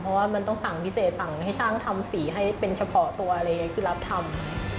เพราะว่ามันต้องสั่งพิเศษสั่งให้ช่างทำสีให้เป็นเฉพาะตัวอะไรอย่างนี้คือรับทำ